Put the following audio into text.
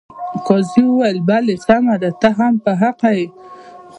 قاضي وویل بلې سمه ده ته هم په حقه یې.